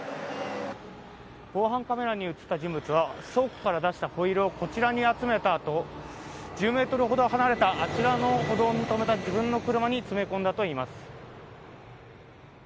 防犯カメラに映った人物は倉庫から出したホイールをこちらに集めたあと１０ｍほど離れたあちらの歩道に止めた自分の車に詰め込んだといいます。